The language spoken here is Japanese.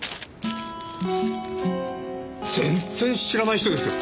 全然知らない人ですよ！